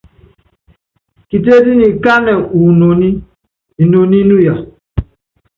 Kitétí nyi kánɛ wu inoní, inoní inuya.